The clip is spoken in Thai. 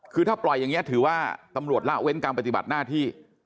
คือถ้าปล่อยอย่างนี้ถือว่าตำรวจละเว้นการปฏิบัติหน้าที่